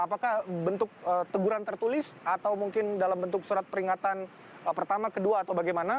apakah bentuk teguran tertulis atau mungkin dalam bentuk surat peringatan pertama kedua atau bagaimana